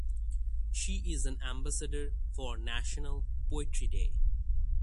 She is an ambassador for National Poetry Day.